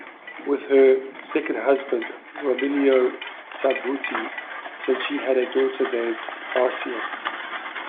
With her second husband, Romilio Tambutti, she had a daughter named Marcia.